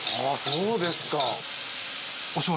そうですか！